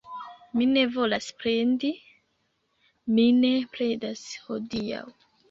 Mi ne volas plendi... Mi ne plendas hodiaŭ